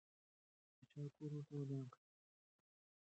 چا کور ورته ودان کړ؟